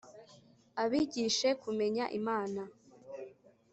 abigishe kumenya imana.